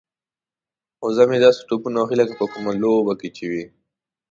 وزه مې داسې ټوپونه وهي لکه په کومه لوبه کې چې وي.